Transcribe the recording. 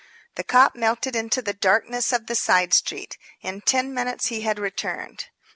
The cop melted into the darkness of the side street. In ten minutes he had returned.